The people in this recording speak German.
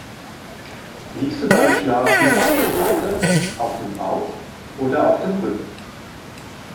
Liegst du beim Schlafen auf der Seite, auf dem Bauch oder auf dem Rücken?